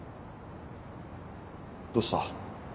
どうした？